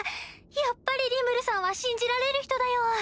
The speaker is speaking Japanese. やっぱりリムルさんは信じられる人だよ。